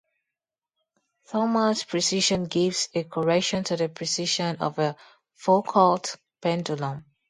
Thomas precession gives a correction to the precession of a Foucault pendulum.